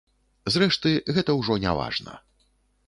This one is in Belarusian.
Зрэшты, гэта ўжо не важна.